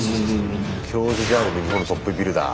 教授であり日本のトップビルダー。